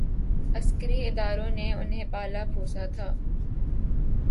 عسکری اداروں نے انہیں پالا پوسا تھا۔